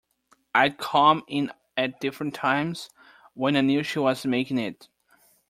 I'd come in at different times, when I knew she was making it.